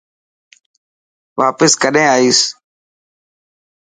واپس ڪڏهن آئيس.